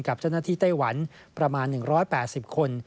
กับเจ้าหน้าที่ไต้หวันประมาณ๑๘๐คน